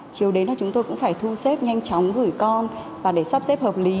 chiều đến là chúng tôi cũng phải thu xếp nhanh chóng gửi con và để sắp xếp hợp lý